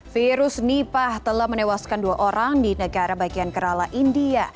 virus nipah telah menewaskan dua orang di negara bagian kerala india